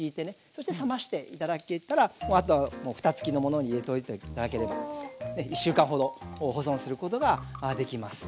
そして冷まして頂けたらあとはもう蓋つきのものに入れておいて頂ければ１週間ほど保存することができます。